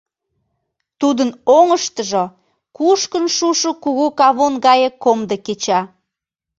Тудын оҥыштыжо кушкын шушо кугу кавун гае комдо кеча.